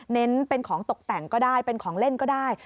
เป็นของตกแต่งก็ได้เป็นของเล่นก็ได้